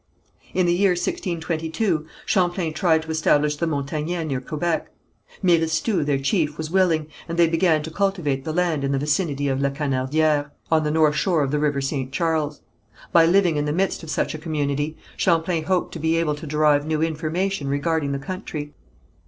In the year 1622 Champlain tried to establish the Montagnais near Quebec. Miristou, their chief, was willing, and they began to cultivate the land in the vicinity of La Canardière, on the north shore of the river St. Charles. By living in the midst of such a community, Champlain hoped to be able to derive new information regarding the country.